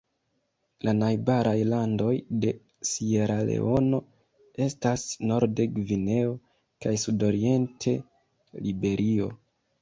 La najbaraj landoj de Sieraleono estas norde Gvineo kaj sudoriente Liberio.